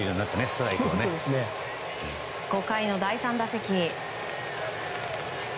５回の第３打席。